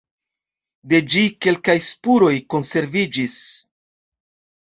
De ĝi kelkaj spuroj konserviĝis.